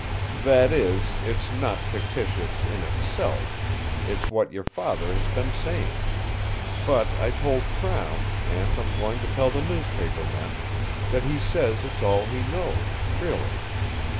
"That is, it's not fictitious, in itself; it's what your father has been saying. But I told Crown, and I'm going to tell the newspaper men, that he says it's all he knows, really.